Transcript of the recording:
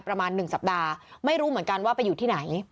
ประมาณ๑สัปดาห์ไม่รู้เหมือนกันว่าไปอยู่ที่ไหน